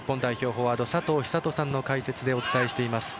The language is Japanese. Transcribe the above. フォワード佐藤寿人さんの解説でお伝えしています。